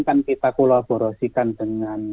kan kita kolaborasikan dengan